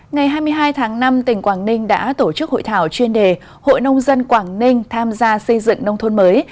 ngày hai mươi hai tháng năm tỉnh quảng ninh đã tổ chức hội thảo chuyên đề hội nông dân quảng ninh tham gia xây dựng nông thôn mới